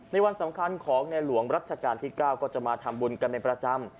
วันสำคัญของในหลวงรัชกาลที่๙ก็จะมาทำบุญกันเป็นประจำ